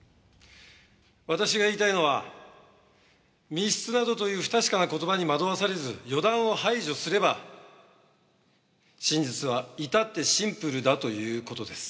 私が言いたいのは密室などという不確かな言葉に惑わされず予断を排除すれば真実は至ってシンプルだという事です。